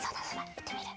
いってみる？